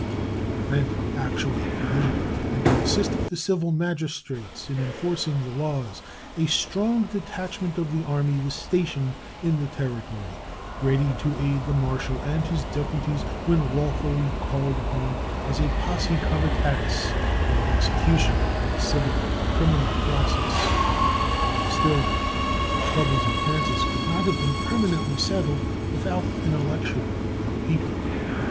To prevent actual collision and to assist the civil magistrates in enforcing the laws, a strong detachment of the Army was stationed in the Territory, ready to aid the marshal and his deputies when lawfully called upon as a posse comitatus in the execution of civil and criminal process. Still, the troubles in Kansas could not have been permanently settled without an election by the people.